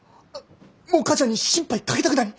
もう母ちゃんに心配かけたくない。